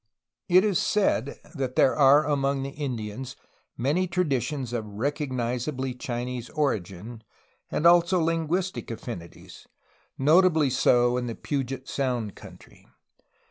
It is said that there are among the Indians many traditions of recognizably Chinese origin and also linguistic affinities, notably so in the Puget Sound country.